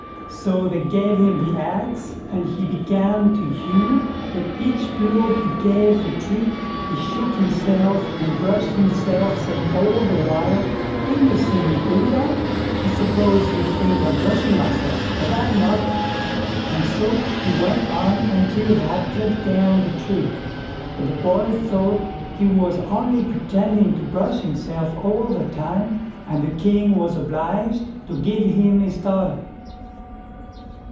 So they gave him the axe, and he began to hew, but each blow he gave the tree, he shook himself and brushed himself, saying all the while, "Did you see me do that? I suppose you think I'm brushing myself, but I am not." And so he went, on until he had cut down the tree. But the boy thought he was only pretending to brush himself all the time, and the King was obliged to give him his daughter.